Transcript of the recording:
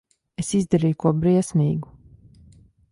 Es izdarīju ko briesmīgu.